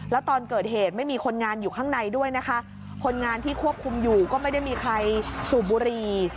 แล้วตอนเกิดเหตุไม่มีคนงานอยู่ข้างในด้วยนะคะคนงานที่ควบคุมอยู่ก็ไม่ได้มีใครสูบบุรี